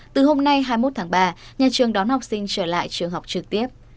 từ hôm nay hai mươi một tháng ba nhà trường đón học sinh trở lại trường học trực tiếp